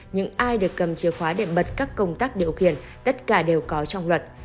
những ai được cầm chìa khóa để bật các công tác điều khiển tất cả đều có trong luật